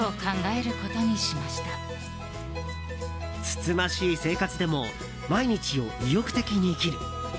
つつましい生活でも毎日を意欲的に生きる。